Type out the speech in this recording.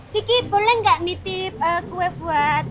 kiki boleh gak nitip kue buah